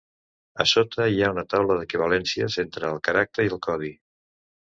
A sota hi ha una taula d'equivalències entre el caràcter i el codi.